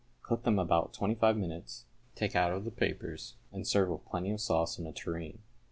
Cook them about twenty five minutes, take out of the papers, and serve with plenty of sauce in a tureen.